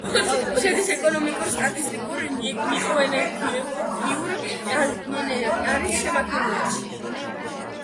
შედის ეკონომიკურ-სტატისტიკურ მიკრორეგიონ ალმენარის შემადგენლობაში.